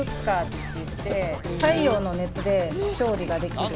太陽の熱で調理ができる。